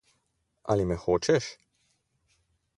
Ali me hočeš?